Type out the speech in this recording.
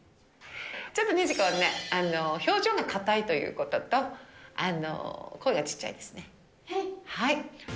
ちょっとニジカはね、表情が硬いということと、声がちっちゃいではい。